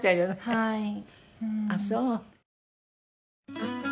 はい。